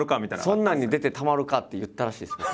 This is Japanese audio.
「そんなんに出てたまるか」って言ったらしいです。